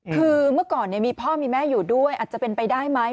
คือเมื่อก่อนมีพ่อมีแม่อยู่ด้วยอาจจะเป็นไปได้ไหม